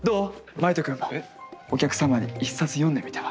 真威人くんもお客様に一冊読んでみては？